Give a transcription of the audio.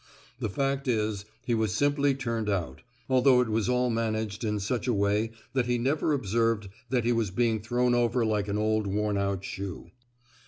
The fact is, he was simply turned out—although it was all managed in such a way that he never observed that he was being thrown over like an old worn out shoe.